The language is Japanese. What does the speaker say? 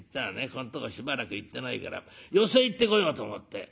ここんとこしばらく行ってないから寄席行ってこようと思って」。